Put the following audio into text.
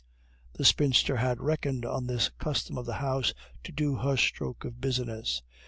The spinster had reckoned on this custom of the house to do her stroke of business.